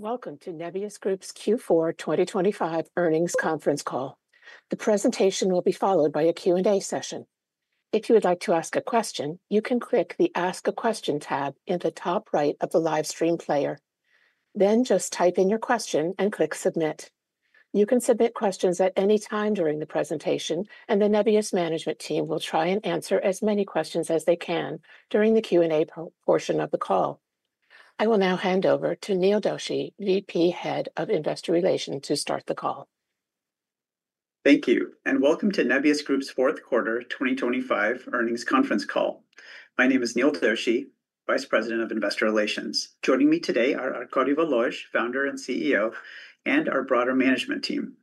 Welcome to Nebius Group's Q4 2025 Earnings Conference Call. The presentation will be followed by a Q&A session. If you would like to ask a question, you can click the Ask a Question tab in the top right of the live stream player. Then just type in your question and click Submit. You can submit questions at any time during the presentation, and the Nebius management team will try and answer as many questions as they can during the Q&A portion of the call. I will now hand over to Neil Doshi, VP, Head of Investor Relations, to start the call. Thank you, and Welcome to Nebius Group's Fourth Quarter 2025 Earnings Conference Call. My name is Neil Doshi, Vice President of Investor Relations. Joining me today are Arkady Volozh, Founder and CEO, and our broader management team.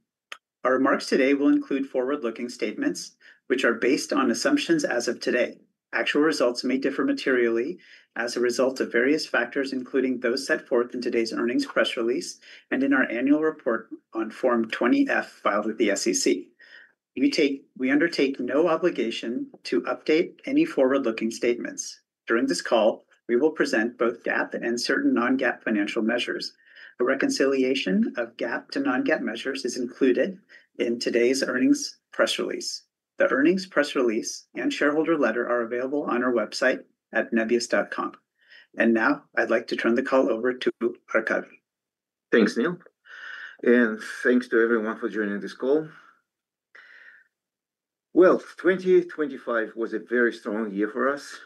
Our remarks today will include forward-looking statements, which are based on assumptions as of today. Actual results may differ materially as a result of various factors, including those set forth in today's earnings press release and in our annual report on Form 20-F filed with the SEC. We undertake no obligation to update any forward-looking statements. During this call, we will present both GAAP and certain non-GAAP financial measures. A reconciliation of GAAP to non-GAAP measures is included in today's earnings press release. The earnings press release and shareholder letter are available on our website at nebius.com. Now, I'd like to turn the call over to Arkady. Thanks, Neil, and thanks to everyone for joining this call. Well, 2025 was a very strong year for us.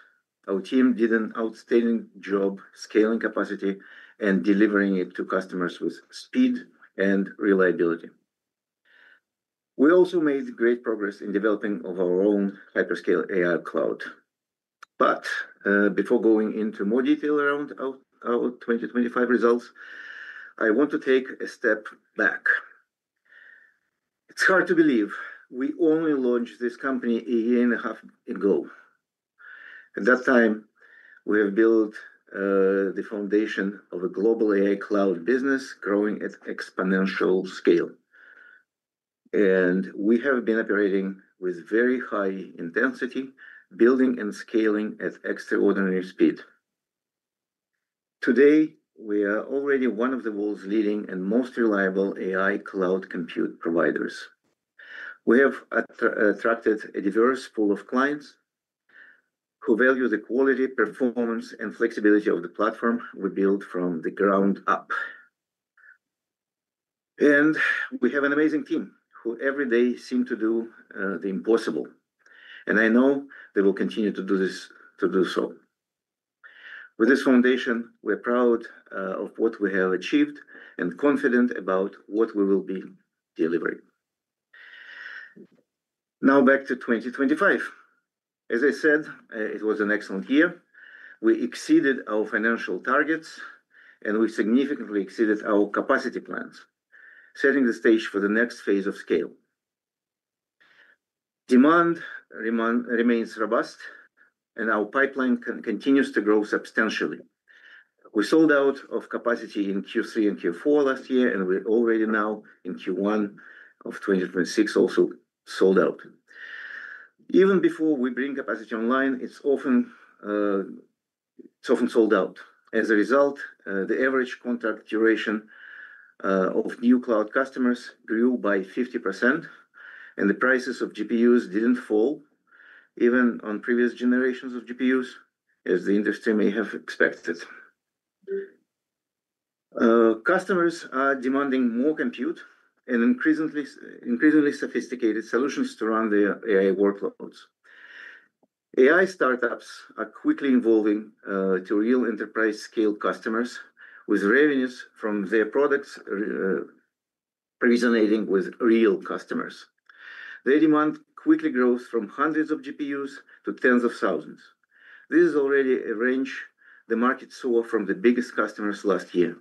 Our team did an outstanding job scaling capacity and delivering it to customers with speed and reliability. We also made great progress in developing of our own hyperscale AI cloud. But, before going into more detail around our, our 2025 results, I want to take a step back. It's hard to believe we only launched this company a year and a half ago. At that time, we have built, the foundation of a global AI cloud business, growing at exponential scale. And we have been operating with very high intensity, building and scaling at extraordinary speed. Today, we are already one of the world's leading and most reliable AI cloud compute providers. We have attracted a diverse pool of clients, who value the quality, performance, and flexibility of the platform we built from the ground up. We have an amazing team who every day seem to do the impossible, and I know they will continue to do this, to do so. With this foundation, we're proud of what we have achieved and confident about what we will be delivering. Now, back to 2025. As I said, it was an excellent year. We exceeded our financial targets, and we significantly exceeded our capacity plans, setting the stage for the next phase of scale. Demand remains robust, and our pipeline continues to grow substantially. We sold out of capacity in Q3 and Q4 last year, and we're already now in Q1 of 2026, also sold out. Even before we bring capacity online, it's often, it's often sold out. As a result, the average contract duration of new cloud customers grew by 50%, and the prices of GPUs didn't fall, even on previous generations of GPUs, as the industry may have expected. Customers are demanding more compute and increasingly, increasingly sophisticated solutions to run their AI workloads. AI startups are quickly evolving to real enterprise-scale customers, with revenues from their products, resonating with real customers. Their demand quickly grows from hundreds of GPUs to tens of thousands. This is already a range the market saw from the biggest customers last year.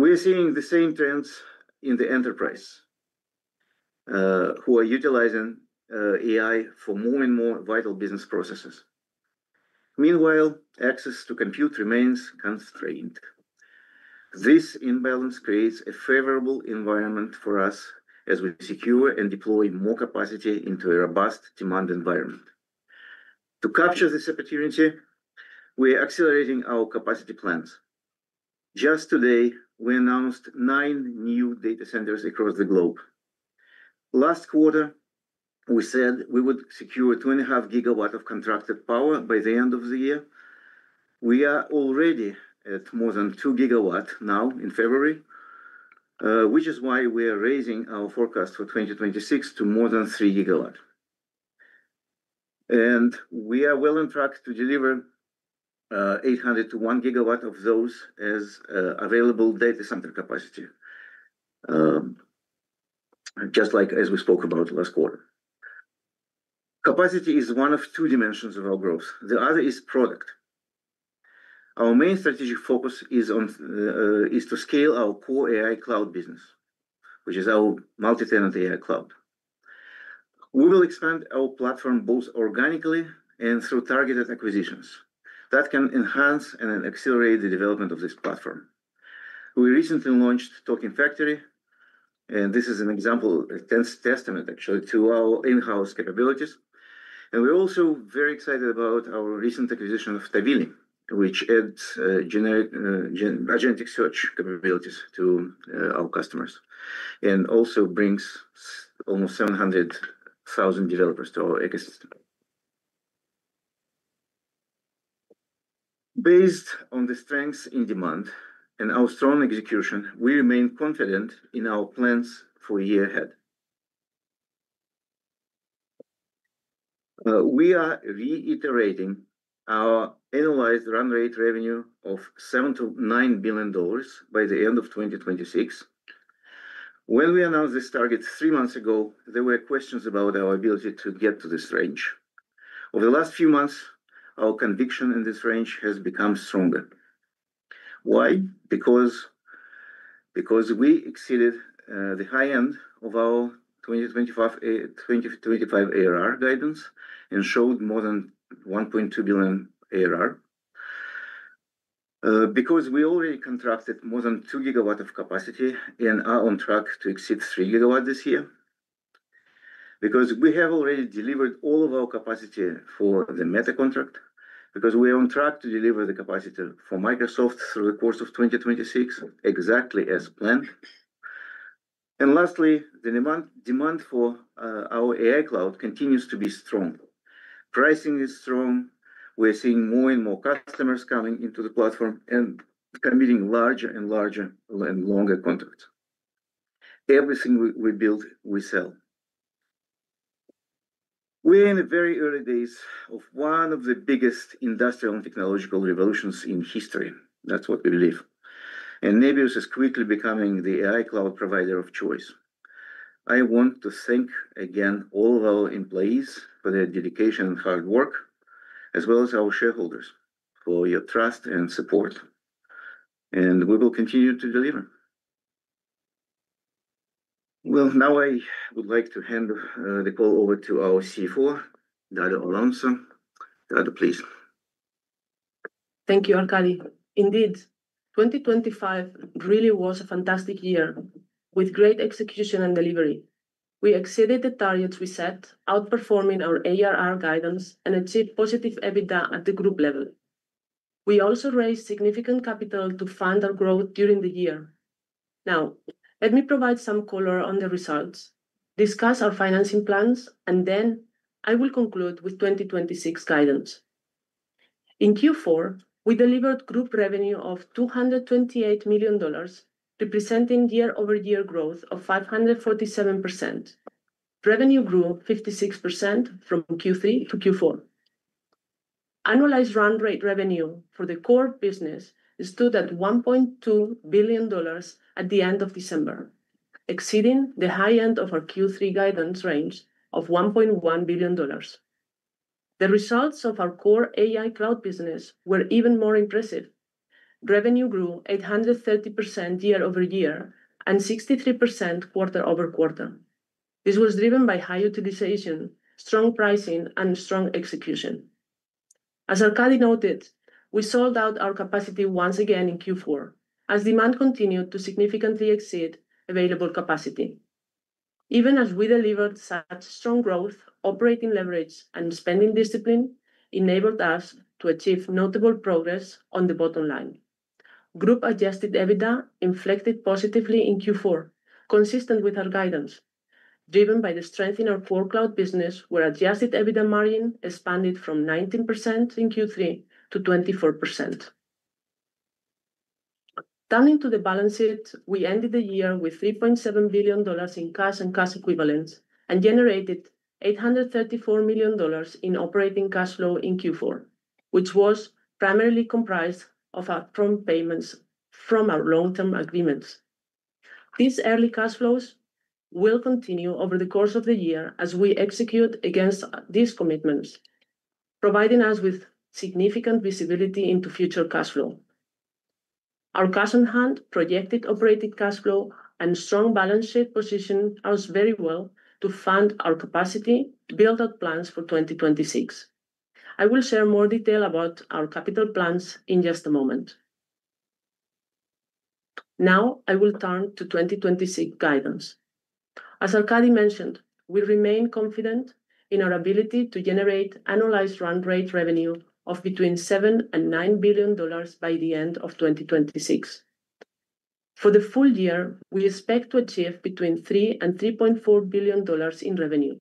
We are seeing the same trends in the enterprise, who are utilizing AI for more and more vital business processes. Meanwhile, access to compute remains constrained. This imbalance creates a favorable environment for us as we secure and deploy more capacity into a robust demand environment. To capture this opportunity, we are accelerating our capacity plans. Just today, we announced nine new data centers across the globe. Last quarter, we said we would secure 2.5 gigawatts of contracted power by the end of the year. We are already at more than two gigawatts now in February, which is why we are raising our forecast for 2026 to more than 3 gigawatts. And we are well on track to deliver 800 MW to 1 GW of those as available data center capacity, just like as we spoke about last quarter. Capacity is one of two dimensions of our growth. The other is product. Our main strategic focus is on to scale our core AI cloud business, which is our multi-tenant AI cloud. We will expand our platform both organically and through targeted acquisitions that can enhance and accelerate the development of this platform. We recently launched Token Factory and this is an example, a testament, actually, to our in-house capabilities. And we're also very excited about our recent acquisition of Tavily, which adds agentic search capabilities to our customers, and also brings almost 700,000 developers to our ecosystem. Based on the strengths in demand and our strong execution, we remain confident in our plans for year ahead. We are reiterating our annualized run rate revenue of $7 billion-$9 billion by the end of 2026. When we announced this target three months ago, there were questions about our ability to get to this range. Over the last few months, our conviction in this range has become stronger. Why? Because, because we exceeded the high end of our 2025 ARR guidance and showed more than $1.2 billion ARR. Because we already contracted more than 2 gigawatts of capacity and are on track to exceed 3 gigawatts this year. Because we have already delivered all of our capacity for the Meta contract, because we are on track to deliver the capacity for Microsoft through the course of 2026, exactly as planned. And lastly, the demand, demand for our AI cloud continues to be strong. Pricing is strong. We're seeing more and more customers coming into the platform and committing larger and larger and longer contracts. Everything we build, we sell. We're in the very early days of one of the biggest industrial and technological revolutions in history. That's what we believe. And Nebius is quickly becoming the AI cloud provider of choice. I want to thank again all of our employees for their dedication and hard work, as well as our shareholders for your trust and support, and we will continue to deliver. Well, now I would like to hand the call over to our CFO, Dado Alonso. Dado, please. Thank you, Arkady. Indeed, 2025 really was a fantastic year with great execution and delivery. We exceeded the targets we set, outperforming our ARR guidance, and achieved positive EBITDA at the group level. We also raised significant capital to fund our growth during the year. Now, let me provide some color on the results, discuss our financing plans, and then I will conclude with 2026 guidance. In Q4, we delivered group revenue of $228 million, representing year-over-year growth of 547%. Revenue grew 56% from Q3 to Q4. Annualized run rate revenue for the core business stood at $1.2 billion at the end of December, exceeding the high end of our Q3 guidance range of $1.1 billion. The results of our core AI cloud business were even more impressive. Revenue grew 830% year-over-year and 63% quarter-over-quarter. This was driven by high utilization, strong pricing, and strong execution. As Arkady noted, we sold out our capacity once again in Q4, as demand continued to significantly exceed available capacity. Even as we delivered such strong growth, operating leverage and spending discipline enabled us to achieve notable progress on the bottom line. Group adjusted EBITDA inflected positively in Q4, consistent with our guidance, driven by the strength in our core cloud business, where adjusted EBITDA margin expanded from 19% in Q3 to 24%. Turning to the balance sheet, we ended the year with $3.7 billion in cash and cash equivalents, and generated $834 million in operating cash flow in Q4, which was primarily comprised of upfront payments from our long-term agreements. These early cash flows will continue over the course of the year as we execute against these commitments, providing us with significant visibility into future cash flow. Our cash on hand, projected operating cash flow, and strong balance sheet position us very well to fund our capacity to build out plans for 2026. I will share more detail about our capital plans in just a moment. Now, I will turn to 2026 guidance. As Arkady mentioned, we remain confident in our ability to generate annualized run rate revenue of between $7 billion and $9 billion by the end of 2026. For the full year, we expect to achieve between $3 billion and $3.4 billion in revenue.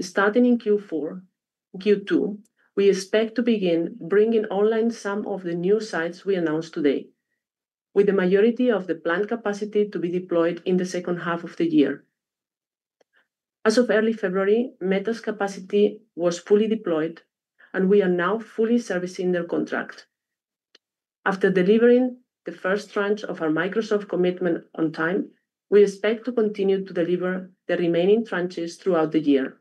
Starting in Q4, Q2, we expect to begin bringing online some of the new sites we announced today, with the majority of the planned capacity to be deployed in the second half of the year. As of early February, Meta's capacity was fully deployed, and we are now fully servicing their contract. After delivering the first tranche of our Microsoft commitment on time, we expect to continue to deliver the remaining tranches throughout the year,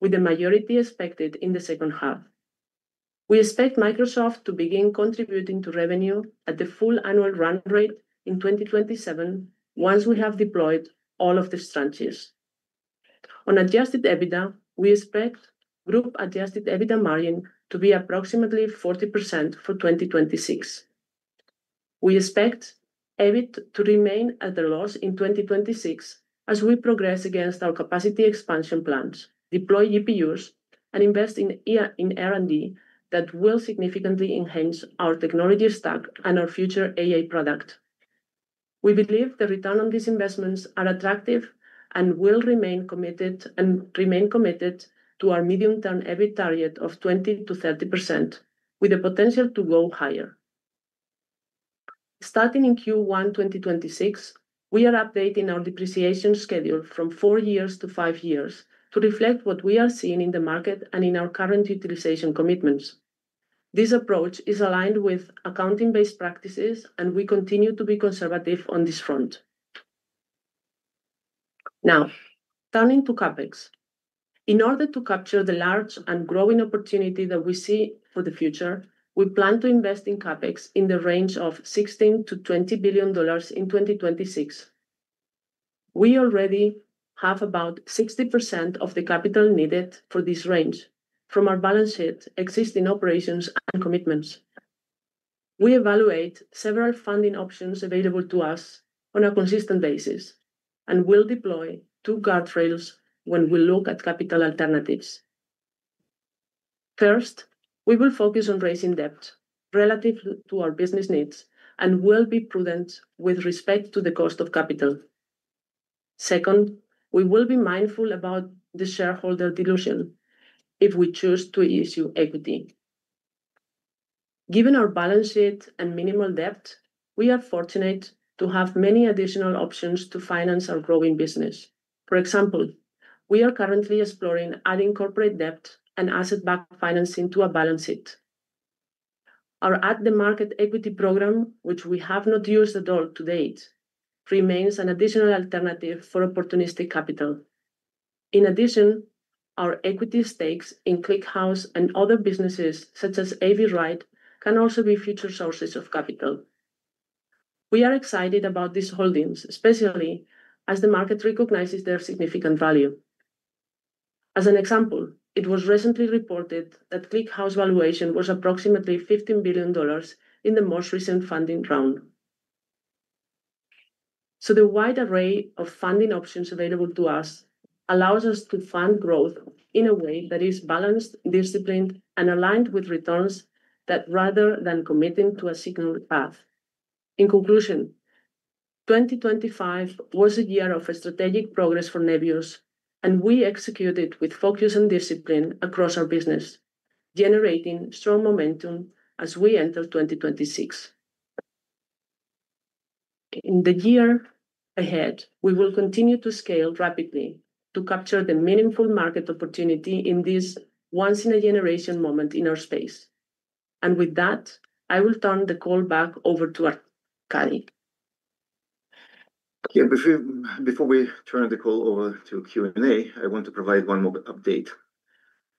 with the majority expected in the second half. We expect Microsoft to begin contributing to revenue at the full annual run rate in 2027 once we have deployed all of these tranches. On adjusted EBITDA, we expect group adjusted EBITDA margin to be approximately 40% for 2026. We expect EBIT to remain at a loss in 2026 as we progress against our capacity expansion plans, deploy GPUs, and invest in AI in R&D that will significantly enhance our technology stack and our future AI product. We believe the return on these investments are attractive and will remain committed to our medium-term EBIT target of 20%-30%, with the potential to go higher. Starting in Q1 2026, we are updating our depreciation schedule from four years to five years to reflect what we are seeing in the market and in our current utilization commitments. This approach is aligned with accounting-based practices, and we continue to be conservative on this front. Now, turning to CapEx. In order to capture the large and growing opportunity that we see for the future, we plan to invest in CapEx in the range of $16 billion-$20 billion in 2026. We already have about 60% of the capital needed for this range from our balance sheet, existing operations, and commitments. We evaluate several funding options available to us on a consistent basis, and we'll deploy two guardrails when we look at capital alternatives. First, we will focus on raising debt relative to our business needs and will be prudent with respect to the cost of capital. Second, we will be mindful about the shareholder dilution if we choose to issue equity. Given our balance sheet and minimal debt, we are fortunate to have many additional options to finance our growing business. For example, we are currently exploring adding corporate debt and asset-backed financing to our balance sheet. Our at-the-market equity program, which we have not used at all to date, remains an additional alternative for opportunistic capital. In addition, our equity stakes in ClickHouse and other businesses, such as Avride, can also be future sources of capital. We are excited about these holdings, especially as the market recognizes their significant value. As an example, it was recently reported that ClickHouse valuation was approximately $15 billion in the most recent funding round. So the wide array of funding options available to us allows us to fund growth in a way that is balanced, disciplined, and aligned with returns that rather than committing to a single path. In conclusion, 2025 was a year of strategic progress for Nebius, and we executed with focus and discipline across our business, generating strong momentum as we enter 2026. In the year ahead, we will continue to scale rapidly to capture the meaningful market opportunity in this once-in-a-generation moment in our space. With that, I will turn the call back over to Arkady. Yeah, before we turn the call over to Q&A, I want to provide one more update.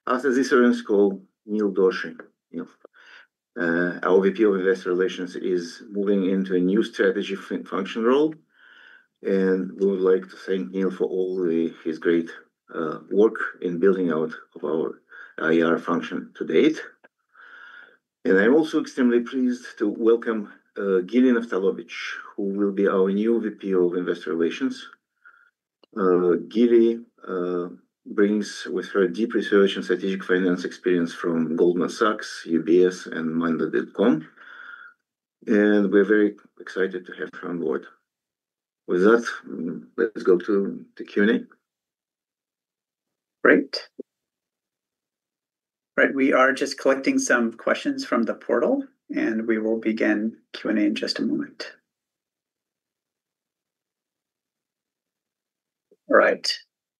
After this earnings call, Neil Doshi, you know, our VP of Investor Relations, is moving into a new strategy function role, and we would like to thank Neil for all his great work in building out our IR function to date. I'm also extremely pleased to welcome Gili Naftalovich, who will be our new VP of Investor Relations. Gili brings with her deep research and strategic finance experience from Goldman Sachs, UBS, and Monday.com, and we're very excited to have her on board. With that, let's go to the Q&A. Great. Right, we are just collecting some questions from the portal, and we will begin Q&A in just a moment. All right.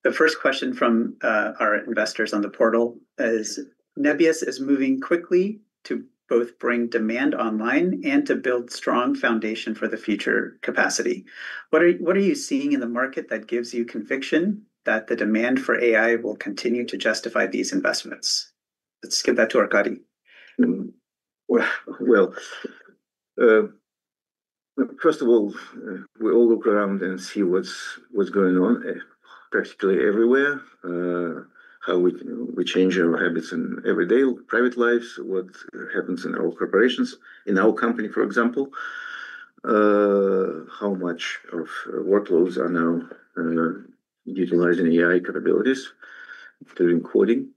The first question from our investors on the portal is: Nebius is moving quickly to both bring demand online and to build strong foundation for the future capacity. What are, what are you seeing in the market that gives you conviction that the demand for AI will continue to justify these investments? Let's give that to Arkady. Well, well, first of all, we all look around and see what's going on, practically everywhere. How we change our habits in everyday private lives, what happens in our corporations, in our company, for example, how much of workloads are now utilizing AI capabilities during coding?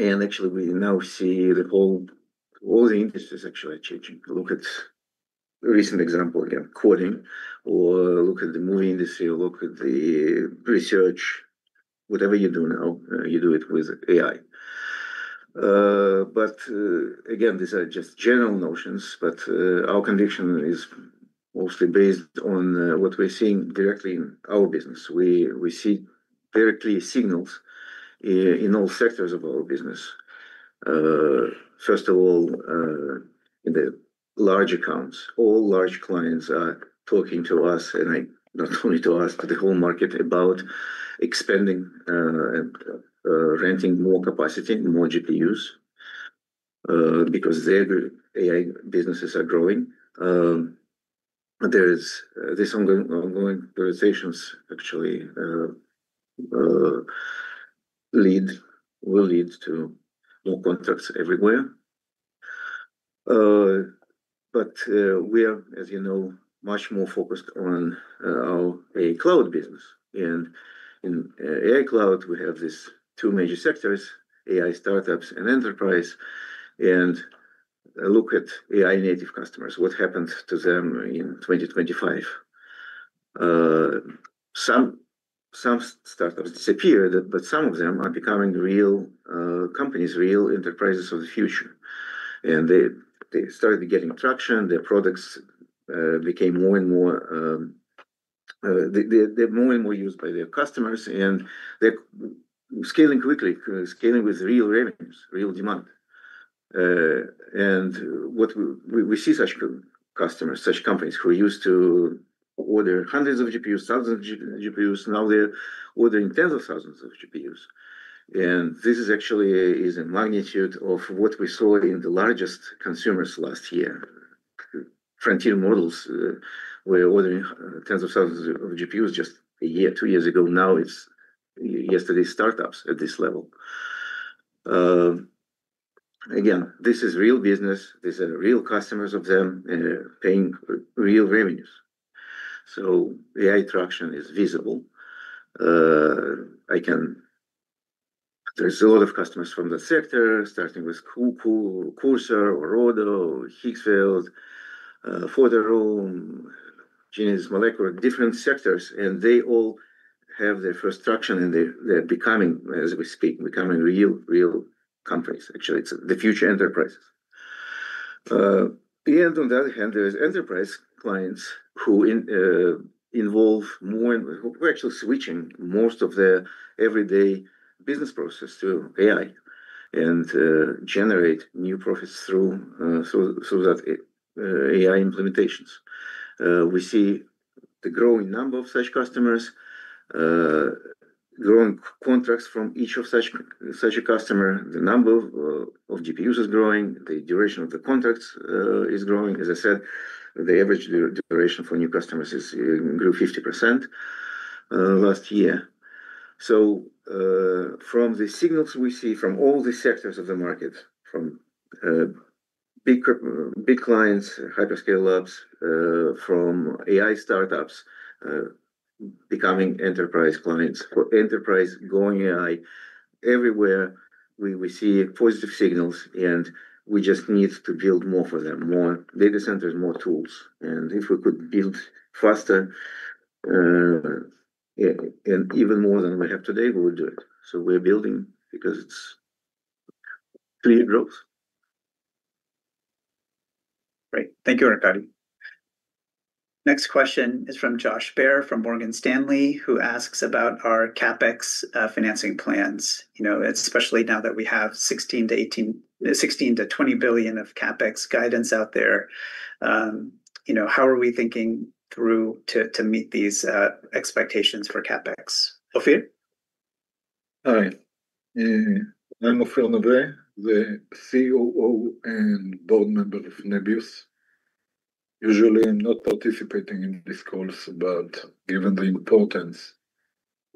And actually, we now see the whole all the industries actually changing. Look at recent example, again, coding, or look at the movie industry, or look at the research. Whatever you do now, you do it with AI. But again, these are just general notions, but our conviction is mostly based on what we're seeing directly in our business. We see directly signals in all sectors of our business. First of all, in the large accounts, all large clients are talking to us, and not only to us, but the whole market, about expanding and renting more capacity, more GPUs, because their AI businesses are growing. There are these ongoing conversations actually that will lead to more contracts everywhere. But we are, as you know, much more focused on our AI cloud business. And in AI cloud, we have these two major sectors, AI startups and enterprise, and look at AI native customers. What happened to them in 2025? Some startups disappeared, but some of them are becoming real companies, real enterprises of the future, and they started getting traction. Their products became more and more used by their customers, and they're scaling quickly, scaling with real revenues, real demand. What we see such customers, such companies who used to order hundreds of GPUs, thousands of GPUs, now they're ordering tens of thousands of GPUs, and this is actually a magnitude of what we saw in the largest consumers last year. Frontier models were ordering tens of thousands of GPUs just a year, two years ago. Now, it's yesterday's startups at this level. Again, this is real business. These are real customers of them, and they're paying real revenues. So AI traction is visible. There's a lot of customers from the sector, starting with Cuckoo, Cursor or Rogo, Higgsfield, Photoroom, Genies, Molecula, different sectors, and they all have their first traction, and they're becoming, as we speak, becoming real, real companies. Actually, it's the future enterprises. And on the other hand, there is enterprise clients who in, involve more and who are actually switching most of their everyday business process to AI and generate new profits through that AI implementations. We see the growing number of such customers, growing contracts from each of such a customer. The number of GPUs is growing, the duration of the contracts is growing. As I said, the average duration for new customers is grew 50% last year. So, from the signals we see from all the sectors of the market, from big clients, hyperscale labs, from AI startups becoming enterprise clients, for enterprise going AI, everywhere, we see positive signals, and we just need to build more for them, more data centers, more tools. And if we could build faster, yeah, and even more than we have today, we would do it. So we're building because it's clear growth. Great. Thank you, Arkady. Next question is from Josh Baer, from Morgan Stanley, who asks about our CapEx, financing plans. You know, especially now that we have $16-$18 billion, $16-$20 billion of CapEx guidance out there, you know, how are we thinking through to meet these expectations for CapEx? Ofir? Hi. I'm Ofir Nave, the COO and board member of Nebius. Usually, I'm not participating in these calls, but given the importance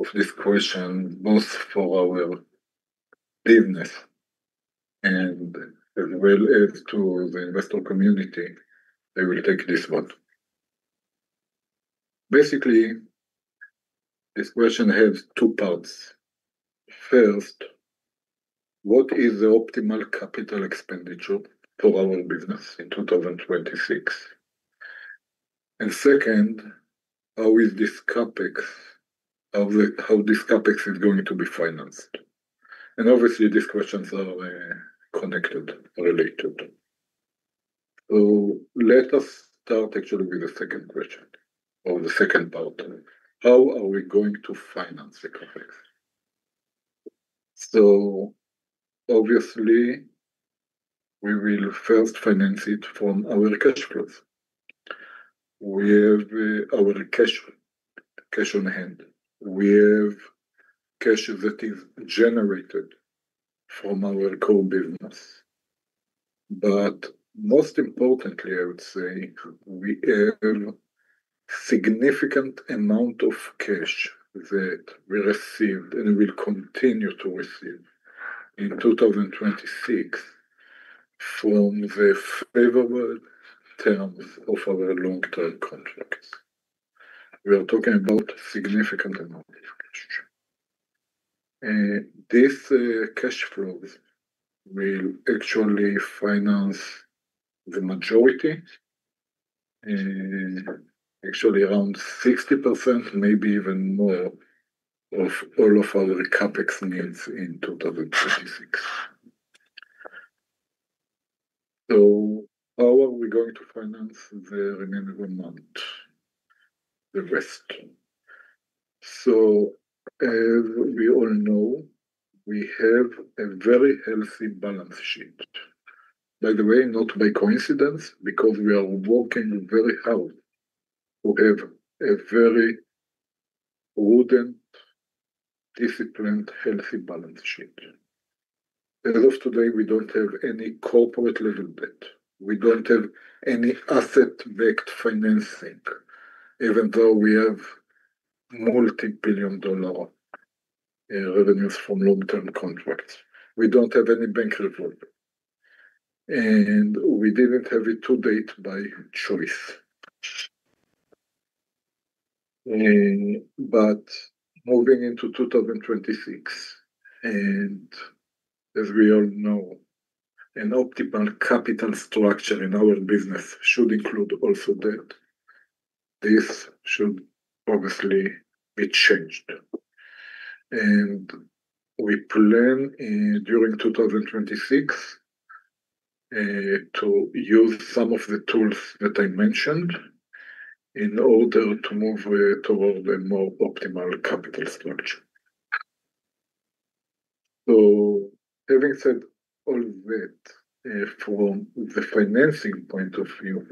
of this question, both for our business and as well as to the investor community, I will take this one. Basically, this question has two parts. First, what is the optimal capital expenditure for our business in 2026? And second, how is this CapEx going to be financed? And obviously, these questions are connected or related. So let us start actually with the second question or the second part. How are we going to finance the CapEx? So obviously, we will first finance it from our cash flows. We have our cash, cash on hand. We have cash that is generated from our core business. But most importantly, I would say, we have significant amount of cash that we received, and we will continue to receive in 2026 from the favorable terms of our long-term contracts. We are talking about significant amount of cash. This cash flows will actually finance the majority, actually around 60%, maybe even more, of all of our CapEx needs in 2026. So how are we going to finance the remaining amount, the rest? So, as we all know, we have a very healthy balance sheet. By the way, not by coincidence, because we are working very hard to have a very prudent, disciplined, healthy balance sheet. As of today, we don't have any corporate level debt. We don't have any asset-backed financing, even though we have multi-billion-dollar, revenues from long-term contracts. We don't have any bank revolver, and we didn't have it to date by choice. But moving into 2026, and as we all know, an optimal capital structure in our business should include also debt. This should obviously be changed, and we plan, during 2026, to use some of the tools that I mentioned in order to move, toward a more optimal capital structure. So having said all that, from the financing point of view,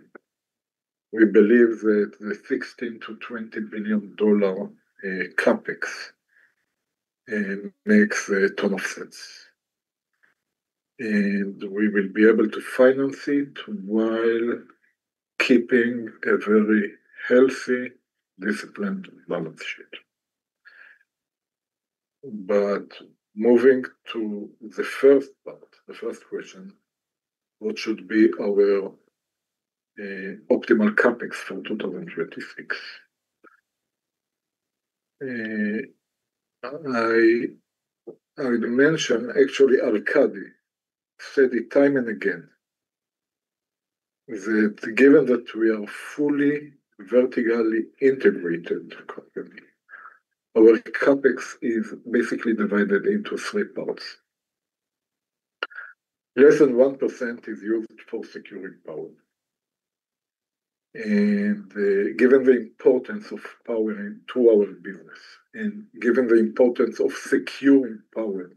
we believe that the $16 billion-$20 billion CapEx makes a ton of sense, and we will be able to finance it while keeping a very healthy, disciplined balance sheet. But moving to the first part, the first question, what should be our, optimal CapEx for 2026? I would mention, actually, Arkady said it time and again, that given that we are fully vertically integrated company, our CapEx is basically divided into three parts. Less than 1% is used for securing power, and given the importance of power to our business, and given the importance of securing power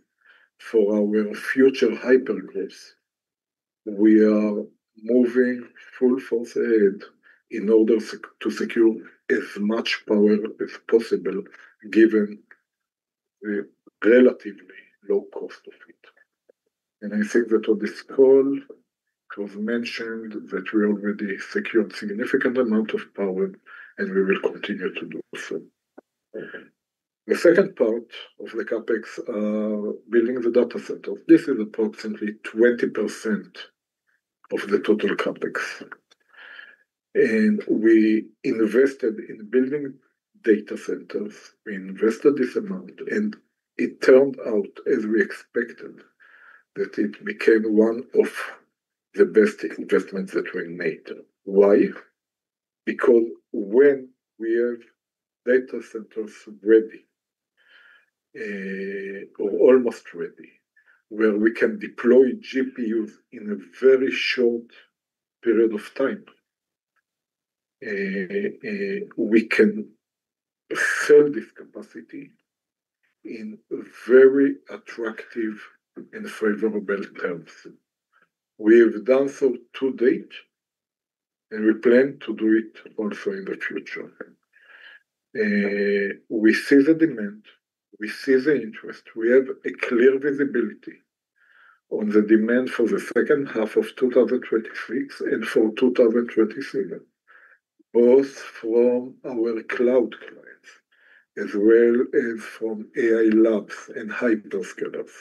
for our future hypergrowth, we are moving full force ahead in order to secure as much power as possible, given the relatively low cost of it. And I think that on this call, it was mentioned that we already secured significant amount of power, and we will continue to do so. The second part of the CapEx, building the data center. This is approximately 20% of the total CapEx, and we invested in building data centers. We invested this amount, and it turned out as we expected, that it became one of the best investments that we made. Why? Because when we have data centers ready, or almost ready, where we can deploy GPUs in a very short period of time, we can sell this capacity in very attractive and favorable terms. We have done so to date, and we plan to do it also in the future. We see the demand, we see the interest. We have a clear visibility on the demand for the second half of 2026 and for 2027, both from our cloud clients as well as from AI labs and hyperscalers.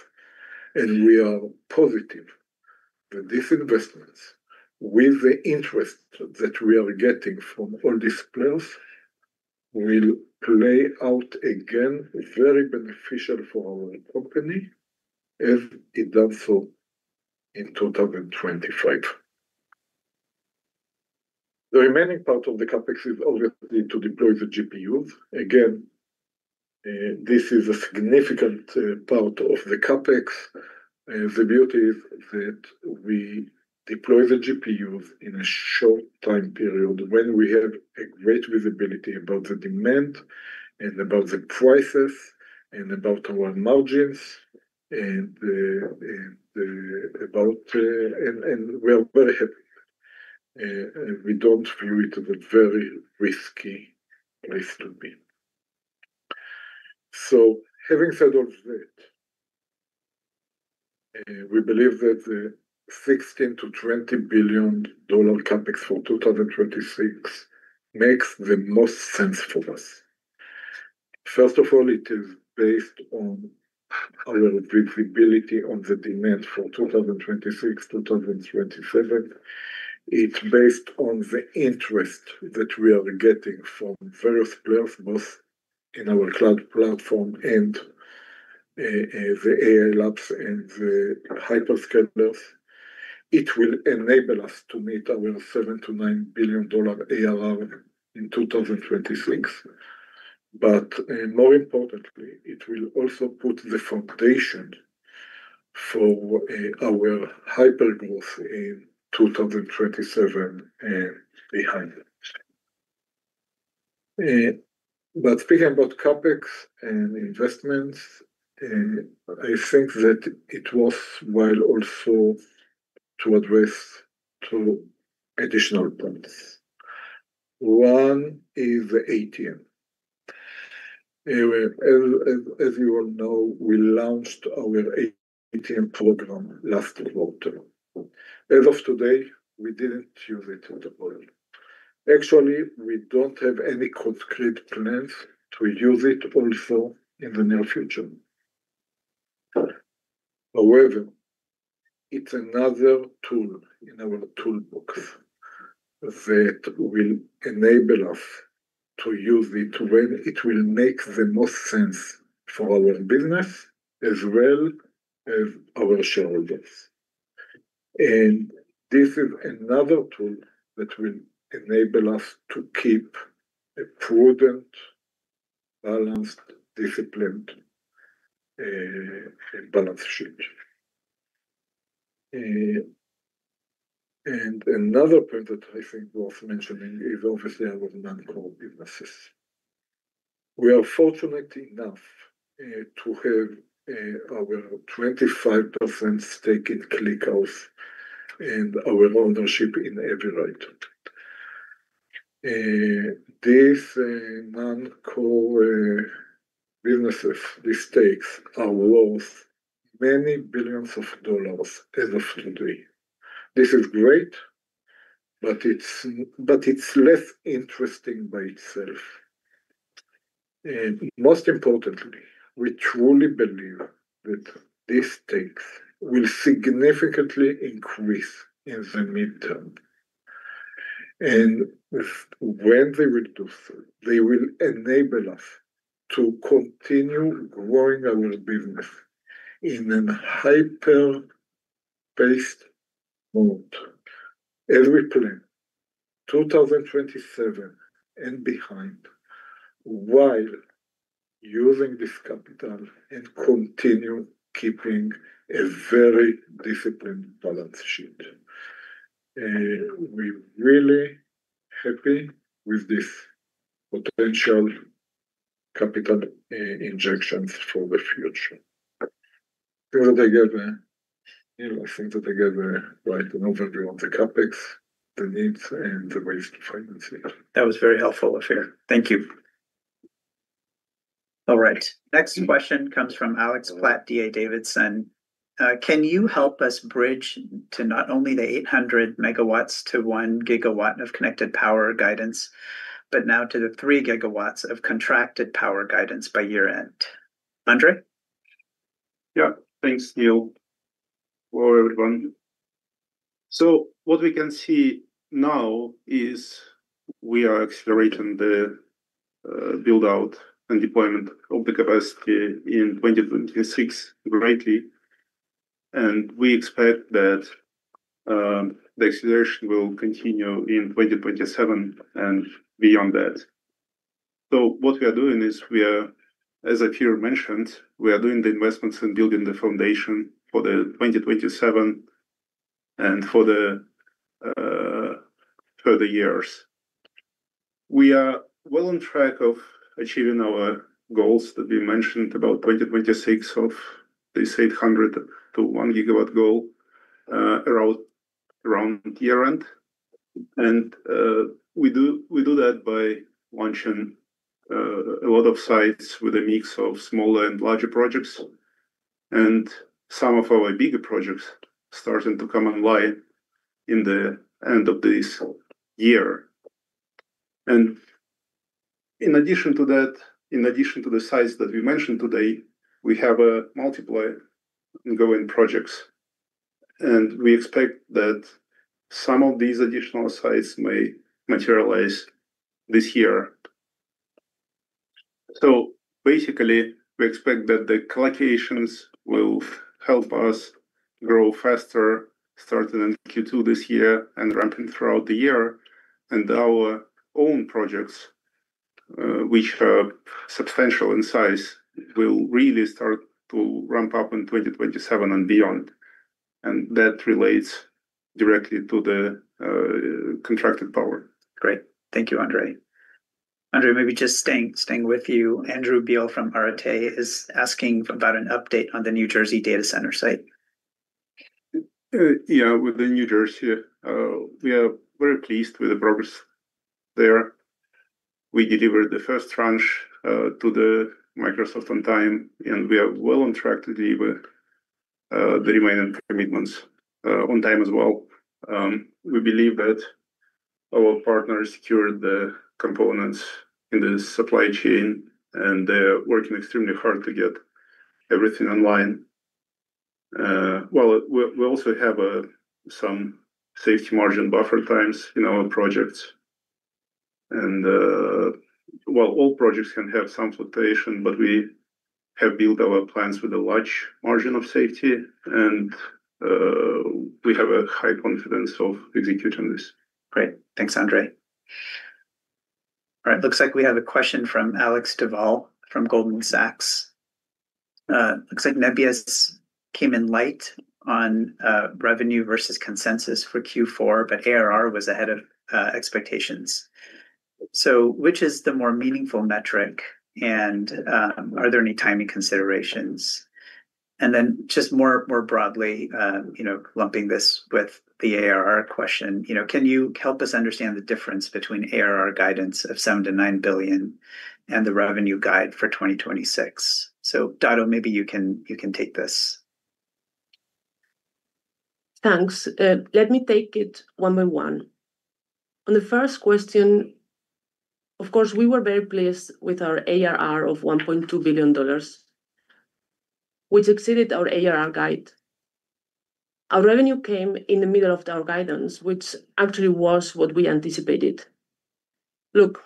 And we are positive that these investments, with the interest that we are getting from all these players, will play out again, very beneficial for our company, as it done so in 2025. The remaining part of the CapEx is obviously to deploy the GPUs. Again, this is a significant part of the CapEx, and the beauty is that we deploy the GPUs in a short time period when we have a great visibility about the demand, and about the prices, and about our margins, and about. And we are very happy, and we don't view it as a very risky place to be. So having said all that, we believe that the $16 billion-$20 billion CapEx for 2026 makes the most sense for us. First of all, it is based on our visibility on the demand for 2026, 2027. It's based on the interest that we are getting from various players, both in our cloud platform and the AI labs and the hyperscalers. It will enable us to meet our $7-$9 billion ARR in 2026, but more importantly, it will also put the foundation for our hypergrowth in 2027 and beyond. But speaking about CapEx and investments, I think to address two additional points. One is ATM. As you all know, we launched our ATM program last quarter. As of today, we didn't use it at all. Actually, we don't have any concrete plans to use it also in the near future. However, it's another tool in our toolbox that will enable us to use it when it will make the most sense for our business as well as our shareholders. This is another tool that will enable us to keep a prudent, balanced, disciplined balance sheet. Another point that I think worth mentioning is obviously our non-core businesses. We are fortunate enough to have our 25% stake in ClickHouse and our ownership in Avride. This non-core businesses, these stakes are worth many billions of dollars as of today. This is great, but it's, but it's less interesting by itself. Most importantly, we truly believe that these stakes will significantly increase in the midterm. When they will do so, they will enable us to continue growing our business in an hyper-based mode. As we plan 2027 and beyond, while using this capital and continue keeping a very disciplined balance sheet. We're really happy with this potential capital injections for the future. Together, I think that together provide an overview on the CapEx, the needs, and the ways to finance it. That was very helpful, Ofir. Thank you. All right, next question comes from Alex Platt, D.A. Davidson. "Can you help us bridge to not only the 800 MW-1 GW of connected power guidance, but now to the 3 GW of contracted power guidance by year-end?" Andrey? Yeah. Thanks, Neil. Hello, everyone. So what we can see now is we are accelerating the build-out and deployment of the capacity in 2026 greatly, and we expect that the acceleration will continue in 2027 and beyond that. So what we are doing is we are, as Ofir mentioned, we are doing the investments and building the foundation for the 2027 and for the further years. We are well on track of achieving our goals that we mentioned about 2026 of this 800-1 gigawatt goal, around, around year-end. And we do, we do that by launching a lot of sites with a mix of smaller and larger projects, and some of our bigger projects starting to come online in the end of this year. In addition to that, in addition to the sites that we mentioned today, we have multiple ongoing projects, and we expect that some of these additional sites may materialize this year. So basically, we expect that the collocations will help us grow faster, starting in Q2 this year and ramping throughout the year. Our own projects, which are substantial in size, will really start to ramp up in 2027 and beyond, and that relates directly to the contracted power. Great. Thank you, Andrey. Andrey, maybe just staying with you. Andrew Beale from Arete is asking about an update on the New Jersey data center site. Yeah, with the New Jersey, we are very pleased with the progress there. We delivered the first tranche to the Microsoft on time, and we are well on track to deliver the remaining commitments on time as well. We believe that our partners secured the components in the supply chain, and they're working extremely hard to get everything online. Well, we also have some safety margin buffer times in our projects. And, well, all projects can have some fluctuation, but we have built our plans with a large margin of safety, and we have a high confidence of executing this. Great. Thanks, Andrey. All right. Looks like we have a question from Alex Duval from Goldman Sachs. Looks like Nebius came in light on revenue versus consensus for Q4, but ARR was ahead of expectations. So which is the more meaningful metric, and are there any timing considerations? And then just more broadly, you know, lumping this with the ARR question, you know, can you help us understand the difference between ARR guidance of $7 billion-$9 billion and the revenue guide for 2026? So, Dado, maybe you can take this. Thanks. Let me take it one by one. On the first question, of course, we were very pleased with our ARR of $1.2 billion, which exceeded our ARR guide. Our revenue came in the middle of our guidance, which actually was what we anticipated. Look,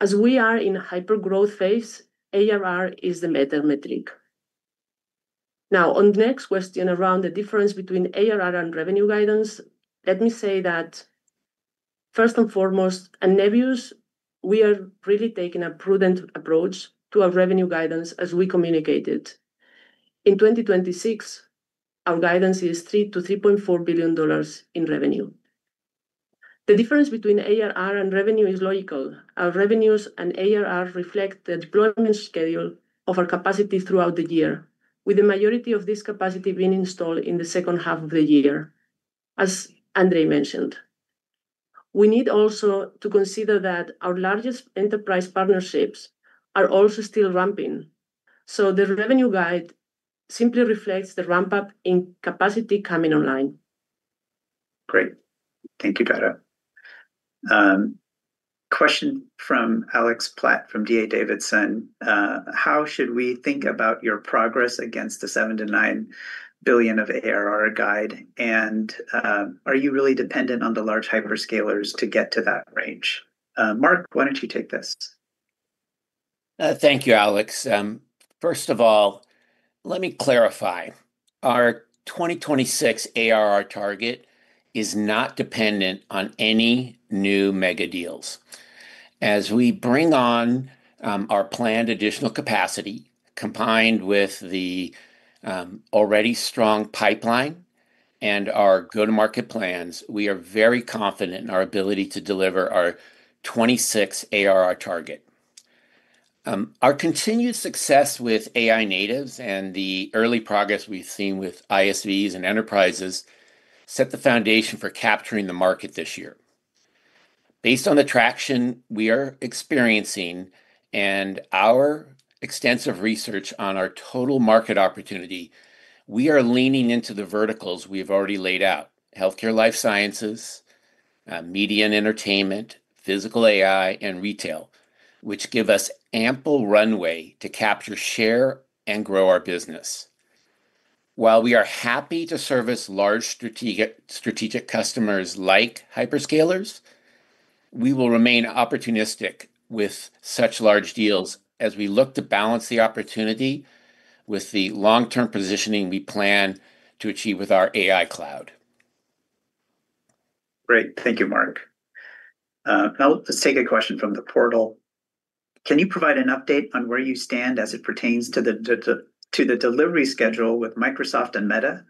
as we are in a hyper-growth phase, ARR is the meta metric. Now, on the next question around the difference between ARR and revenue guidance, let me say that first and foremost, at Nebius, we are really taking a prudent approach to our revenue guidance as we communicated. In 2026, our guidance is $3-$3.4 billion in revenue. The difference between ARR and revenue is logical. Our revenues and ARR reflect the deployment schedule of our capacity throughout the year, with the majority of this capacity being installed in the second half of the year, as Andrey mentioned. We need also to consider that our largest enterprise partnerships are also still ramping, so the revenue guide simply reflects the ramp-up in capacity coming online. Great. Thank you, Dado. Question from Alex Platt, from D.A. Davidson: How should we think about your progress against the $7 billion-$9 billion ARR guide? And, are you really dependent on the large hyperscalers to get to that range? Mark, why don't you take this? Thank you, Alex. First of all, let me clarify. Our 2026 ARR target is not dependent on any new mega deals. As we bring on our planned additional capacity, combined with the already strong pipeline and our go-to-market plans, we are very confident in our ability to deliver our 2026 ARR target. Our continued success with AI natives and the early progress we've seen with ISVs and enterprises set the foundation for capturing the market this year. Based on the traction we are experiencing and our extensive research on our total market opportunity, we are leaning into the verticals we've already laid out: healthcare, life sciences, media and entertainment, physical AI, and retail, which give us ample runway to capture share and grow our business. While we are happy to service large strategic customers like hyperscalers, we will remain opportunistic with such large deals as we look to balance the opportunity with the long-term positioning we plan to achieve with our AI cloud. Great. Thank you, Mark. Now, let's take a question from the portal. Can you provide an update on where you stand as it pertains to the delivery schedule with Microsoft and Meta?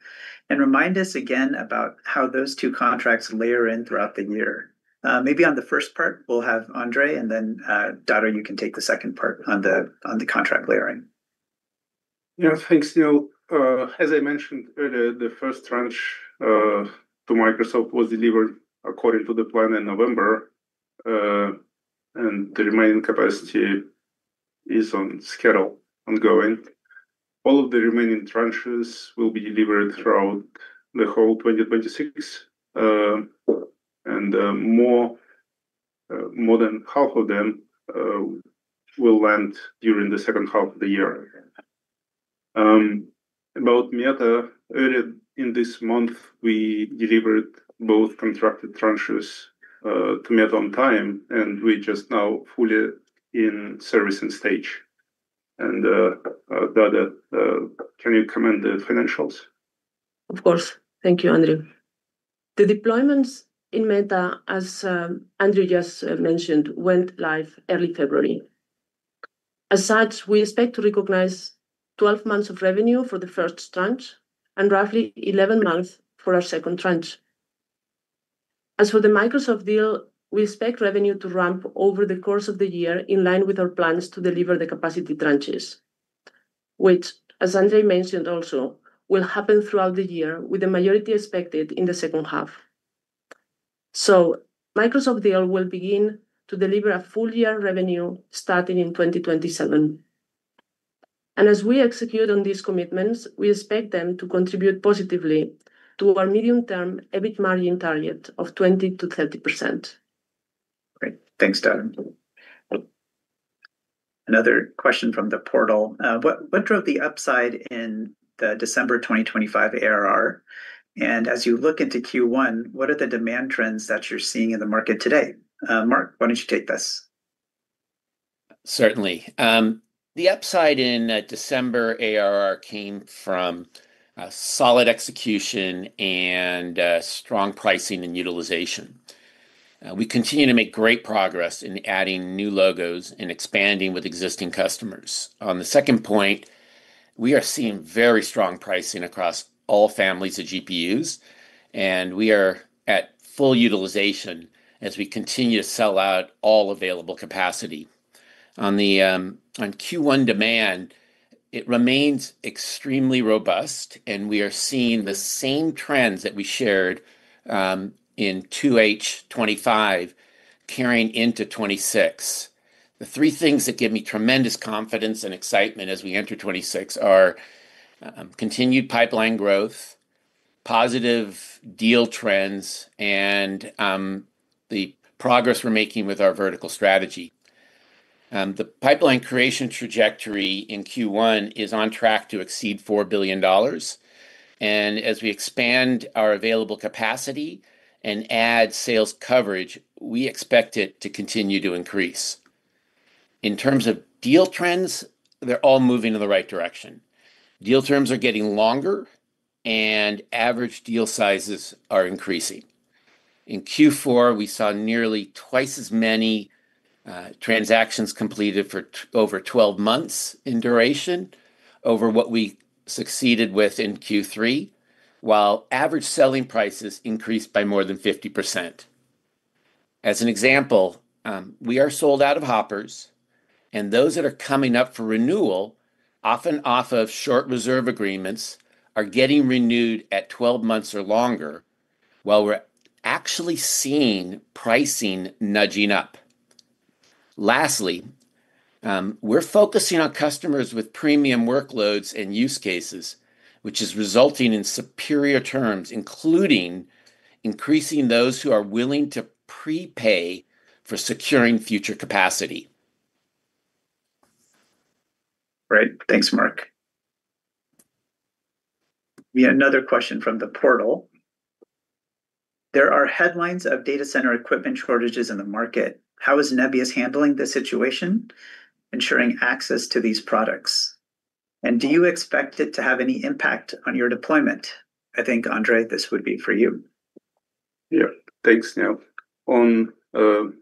And remind us again about how those two contracts layer in throughout the year. Maybe on the first part, we'll have Andrey, and then, Dado, you can take the second part on the contract layering. Yeah. Thanks, Neil. As I mentioned earlier, the first tranche to Microsoft was delivered according to the plan in November, and the remaining capacity is on schedule, ongoing. All of the remaining tranches will be delivered throughout the whole 2026, and more than half of them will land during the second half of the year. About Meta, earlier in this month, we delivered both contracted tranches to Meta on time, and we just now fully in servicing stage. Dado, can you comment the financials? Of course. Thank you, Andrey. The deployments in Meta, as Andrey just mentioned, went live early February. As such, we expect to recognize 12 months of revenue for the first tranche and roughly 11 months for our second tranche. As for the Microsoft deal, we expect revenue to ramp over the course of the year in line with our plans to deliver the capacity tranches, which, as Andrey mentioned, also, will happen throughout the year, with the majority expected in the second half. So Microsoft deal will begin to deliver a full year revenue starting in 2027. And as we execute on these commitments, we expect them to contribute positively to our medium-term EBIT margin target of 20%-30%. Great. Thanks, Dado. Another question from the portal. What drove the upside in the December 2025 ARR? And as you look into Q1, what are the demand trends that you're seeing in the market today? Mark, why don't you take this? Certainly. The upside in December ARR came from a solid execution and strong pricing and utilization. We continue to make great progress in adding new logos and expanding with existing customers. On the second point. We are seeing very strong pricing across all families of GPUs, and we are at full utilization as we continue to sell out all available capacity. On the Q1 demand, it remains extremely robust, and we are seeing the same trends that we shared in 2H 2025 carrying into 2026. The three things that give me tremendous confidence and excitement as we enter 2026 are continued pipeline growth, positive deal trends, and the progress we're making with our vertical strategy. The pipeline creation trajectory in Q1 is on track to exceed $4 billion, and as we expand our available capacity and add sales coverage, we expect it to continue to increase. In terms of deal trends, they're all moving in the right direction. Deal terms are getting longer, and average deal sizes are increasing. In Q4, we saw nearly twice as many transactions completed for over 12 months in duration over what we succeeded with in Q3, while average selling prices increased by more than 50%. As an example, we are sold out of hoppers, and those that are coming up for renewal, often off of short reserve agreements, are getting renewed at 12 months or longer, while we're actually seeing pricing nudging up. Lastly, we're focusing on customers with premium workloads and use cases, which is resulting in superior terms, including increasing those who are willing to prepay for securing future capacity. Great. Thanks, Mark. We have another question from the portal: There are headlines of data center equipment shortages in the market. How is Nebius handling this situation, ensuring access to these products? And do you expect it to have any impact on your deployment? I think, Andrey, this would be for you. Yeah. Thanks, Neil. On the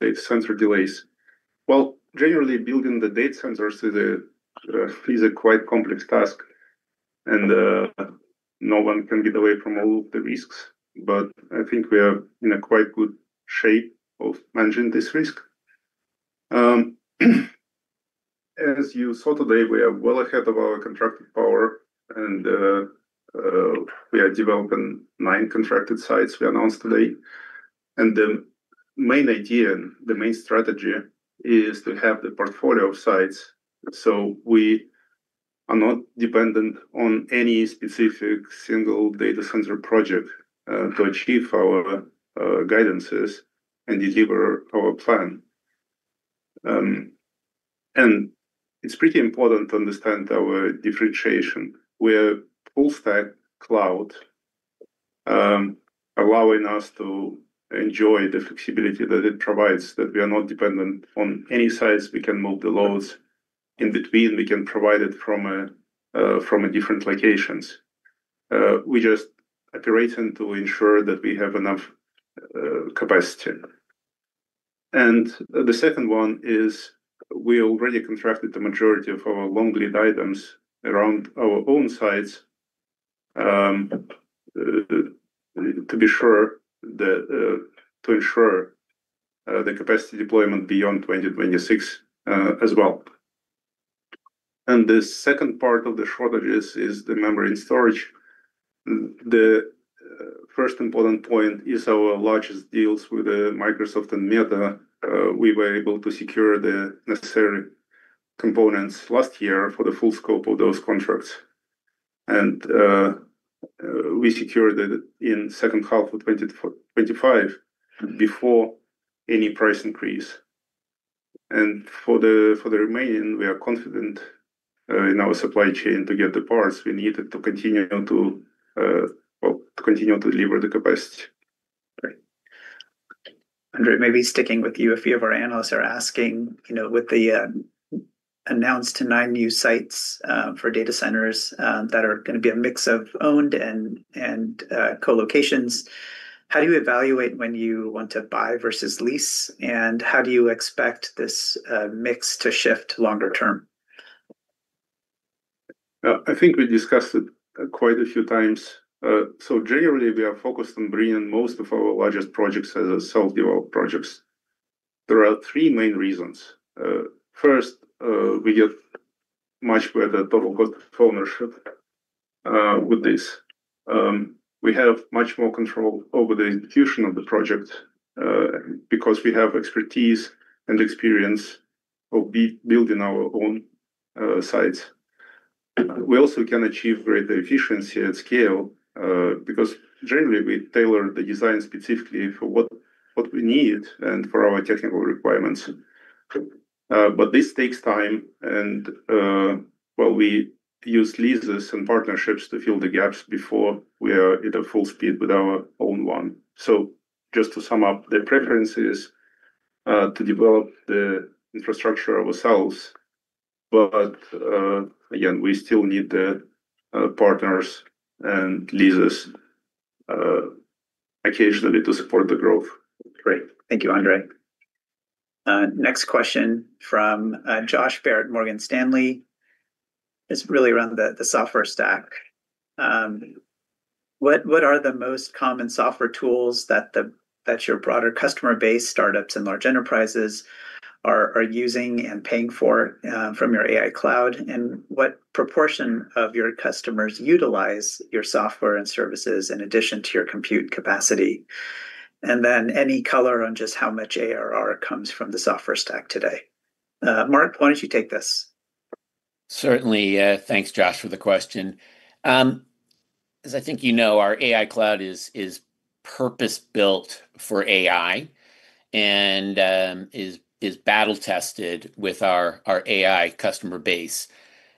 data center delays, well, generally, building the data centers is a quite complex task, and no one can get away from all of the risks, but I think we are in a quite good shape of managing this risk. As you saw today, we are well ahead of our contracted power, and we are developing nine contracted sites we announced today. The main idea, the main strategy is to have the portfolio of sites, so we are not dependent on any specific single data center project to achieve our guidances and deliver our plan. It's pretty important to understand our differentiation. We are full stack cloud, allowing us to enjoy the flexibility that it provides, that we are not dependent on any sites. We can move the loads in between, we can provide it from a, from a different locations. We just operating to ensure that we have enough, capacity. And the second one is, we already contracted the majority of our long lead items around our own sites, to be sure that, to ensure, the capacity deployment beyond 2026, as well. And the second part of the shortages is the memory and storage. The, first important point is our largest deals with, Microsoft and Meta. We were able to secure the necessary components last year for the full scope of those contracts. And, we secured it in second half of 2025 before any price increase. For the remaining, we are confident in our supply chain to get the parts we needed to continue to, well, to continue to deliver the capacity. Great. Andrey, maybe sticking with you, a few of our analysts are asking, you know, with the announced to 9 new sites for data centers that are going to be a mix of owned and colocation, how do you evaluate when you want to buy versus lease, and how do you expect this mix to shift longer term? I think we discussed it quite a few times. So generally, we are focused on bringing most of our largest projects as a self-developed projects. There are three main reasons. First, we get much better total cost of ownership with this. We have much more control over the execution of the project because we have expertise and experience of building our own sites. We also can achieve greater efficiency and scale because generally, we tailor the design specifically for what we need and for our technical requirements. But this takes time and, well, we use leases and partnerships to fill the gaps before we are at a full speed with our own one. So just to sum up, the preference is to develop the infrastructure ourselves, but again, we still need the partners and leases occasionally to support the growth. Great. Thank you, Andrey. Next question from Josh Baer, Morgan Stanley. It's really around the software stack. What are the most common software tools that your broader customer base, startups and large enterprises, are using and paying for from your AI cloud? And what proportion of your customers utilize your software and services in addition to your compute capacity? And then any color on just how much ARR comes from the software stack today. Mark, why don't you take this? Certainly. Thanks, Josh, for the question. As I think you know, our AI cloud is purpose-built for AI and is battle-tested with our AI customer base.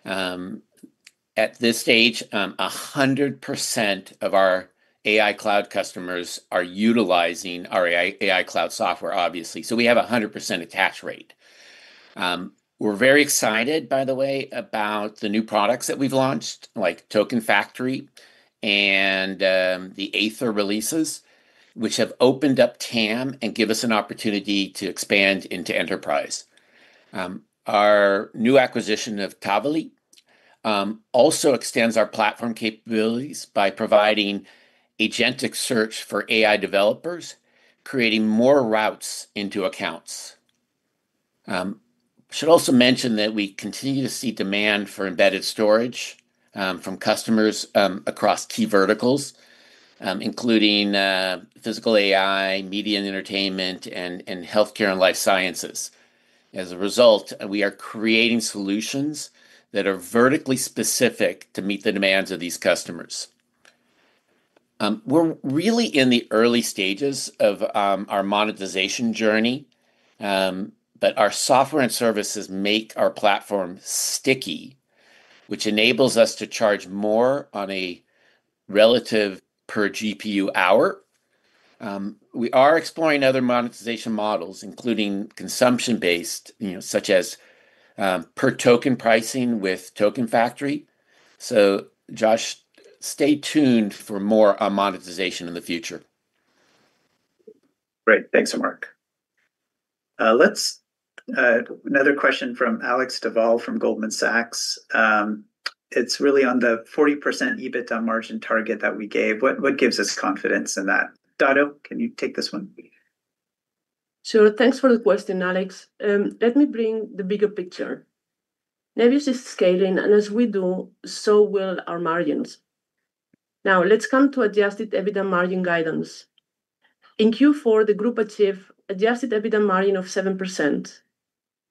At this stage, 100% of our AI cloud customers are utilizing our AI cloud software, obviously. So we have a 100% attach rate. We're very excited, by the way, about the new products that we've launched, like Token Factory and the Aether releases, which have opened up TAM and give us an opportunity to expand into enterprise. Our new acquisition of Tavily also extends our platform capabilities by providing agentic search for AI developers, creating more routes into accounts. Should also mention that we continue to see demand for embedded storage from customers across key verticals, including physical AI, media and entertainment, and healthcare and life sciences. As a result, we are creating solutions that are vertically specific to meet the demands of these customers. We're really in the early stages of our monetization journey, but our software and services make our platform sticky, which enables us to charge more on a relative per GPU hour. We are exploring other monetization models, including consumption-based, you know, such as per-token pricing with Token Factory. So Josh, stay tuned for more on monetization in the future. Great. Thanks, Mark. Let's another question from Alex Duval from Goldman Sachs. It's really on the 40% EBITDA margin target that we gave. What, what gives us confidence in that? Dado, can you take this one? Sure. Thanks for the question, Alex. Let me bring the bigger picture. Nebius is scaling, and as we do, so will our margins. Now, let's come to adjusted EBITDA margin guidance. In Q4, the group achieved adjusted EBITDA margin of 7%,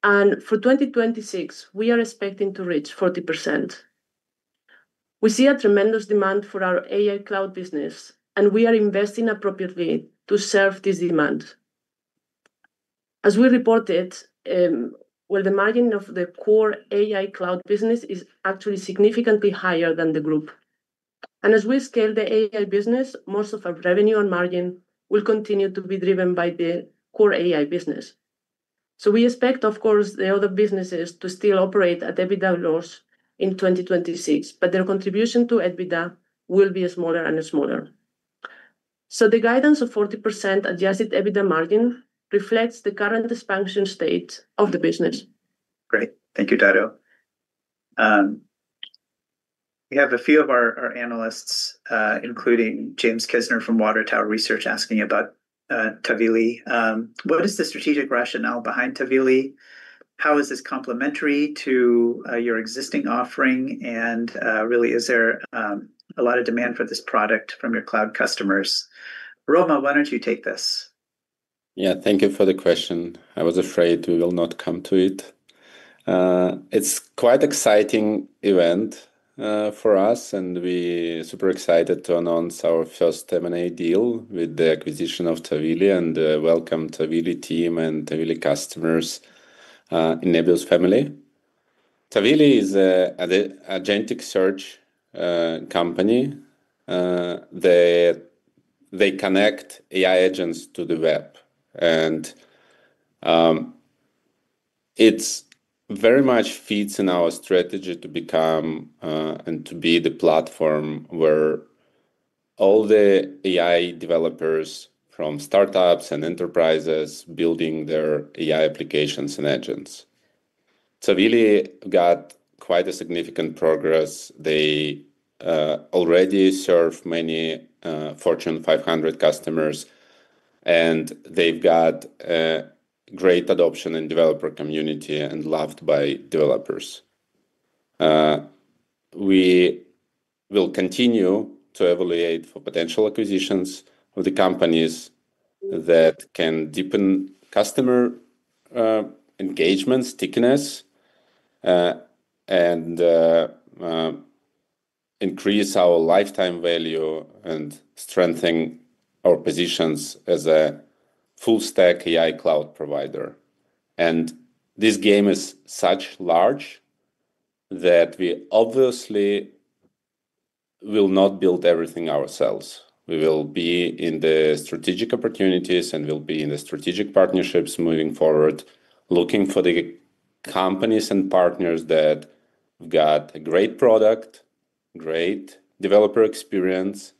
and for 2026, we are expecting to reach 40%. We see a tremendous demand for our AI cloud business, and we are investing appropriately to serve this demand. As we reported, well, the margin of the core AI cloud business is actually significantly higher than the group. And as we scale the AI business, most of our revenue and margin will continue to be driven by the core AI business. So we expect, of course, the other businesses to still operate at EBITDA loss in 2026, but their contribution to EBITDA will be smaller and smaller. The guidance of 40% adjusted EBITDA margin reflects the current expansion state of the business. Great. Thank you, Dado. We have a few of our analysts, including James Kisner from Water Tower Research, asking about Tavily. What is the strategic rationale behind Tavily? How is this complementary to your existing offering, and really, is there a lot of demand for this product from your cloud customers? Roman, why don't you take this? Yeah, thank you for the question. I was afraid we will not come to it. It's quite exciting event for us, and we super excited to announce our first M&A deal with the acquisition of Tavily, and welcome Tavily team and Tavily customers in Nebius's family. Tavily is a agentic search company. They connect AI agents to the web, and it's very much fits in our strategy to become and to be the platform where all the AI developers from startups and enterprises building their AI applications and agents. Tavily got quite a significant progress. They already serve many Fortune 500 customers, and they've got great adoption and developer community and loved by developers. We will continue to evaluate for potential acquisitions of the companies that can deepen customer engagement, stickiness, and increase our lifetime value and strengthen our positions as a full-stack AI cloud provider. And this game is such large that we obviously will not build everything ourselves. We will be in the strategic opportunities, and we'll be in the strategic partnerships moving forward, looking for companies and partners that have got a great product, great developer experience,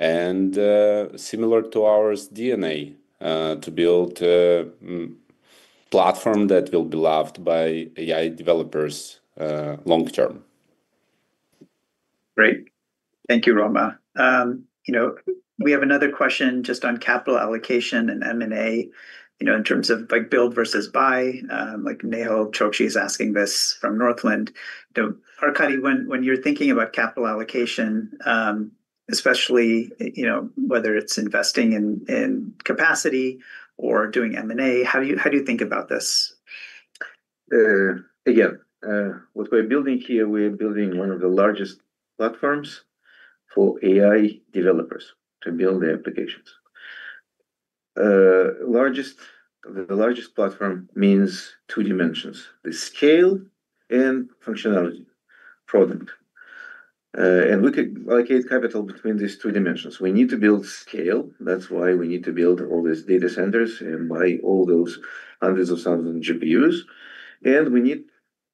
and similar to ours DNA to build a platform that will be loved by AI developers long term. Great. Thank you, Roma. You know, we have another question just on capital allocation and M&A, you know, in terms of, like, build versus buy. Like Nehal Chokshi is asking this from Northland. So Arkady, when, when you're thinking about capital allocation, especially, you know, whether it's investing in, in capacity or doing M&A, how do you, how do you think about this? Again, what we're building here, we're building one of the largest platforms for AI developers to build their applications. The largest platform means two dimensions: the scale and functionality product. And we could allocate capital between these two dimensions. We need to build scale, that's why we need to build all these data centers and buy all those hundreds of thousands of GPUs. And we need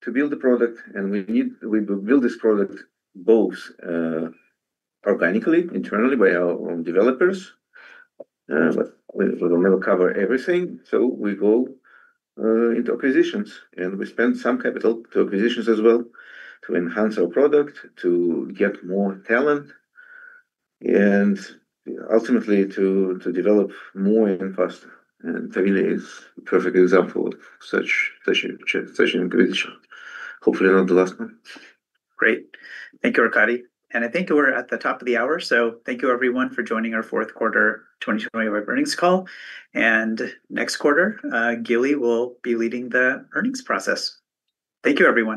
to build a product, and we build this product both organically, internally, by our own developers. But we will never cover everything, so we go into acquisitions, and we spend some capital to acquisitions as well, to enhance our product, to get more talent, and ultimately, to develop more and faster. And Tavily is a perfect example of such an acquisition. Hopefully, not the last one. Great. Thank you, Arkady. I think we're at the top of the hour, so thank you everyone for joining our fourth quarter 2025 Earnings call. Next quarter, Gili will be leading the earnings process. Thank you, everyone.